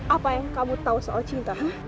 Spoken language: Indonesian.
apa yang kamu tahu soal cinta